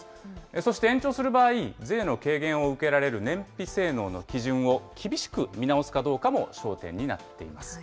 そして延長する場合、税の軽減を受けられる燃費性能の基準を厳しく見直すかどうかも焦点になっています。